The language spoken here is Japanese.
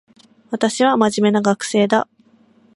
私は真面目な学生だ